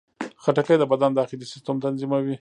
خټکی د بدن داخلي سیستم تنظیموي.